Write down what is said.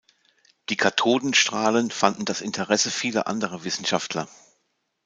Die Kathodenstrahlen fanden das Interesse vieler anderer Wissenschaftler.